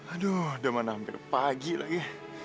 aduh udah mana hampir pagi lagi